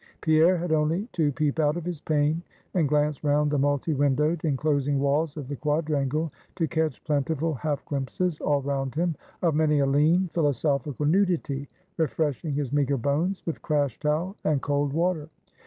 Pierre had only to peep out of his pane and glance round the multi windowed, inclosing walls of the quadrangle, to catch plentiful half glimpses, all round him, of many a lean, philosophical nudity, refreshing his meager bones with crash towel and cold water.